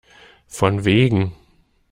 Von wegen!